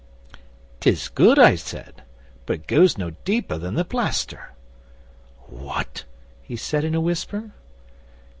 '"Tis good," I said, "but it goes no deeper than the plaster." '"What?" he said in a whisper.